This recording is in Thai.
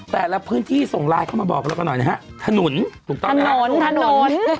แต่ละพื้นที่ส่งไลน์เข้ามาบอกกันหน่อยนะฮะถนนถนนถนน